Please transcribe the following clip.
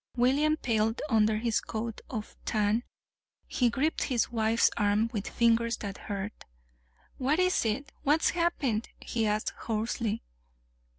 William paled under his coat of tan. He gripped his wife's arm with fingers that hurt. "What is it what's happened?" he asked hoarsely.